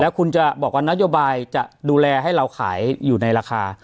คุณจะบอกว่านโยบายจะดูแลให้เราขายอยู่ในราคา